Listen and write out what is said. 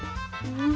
うん！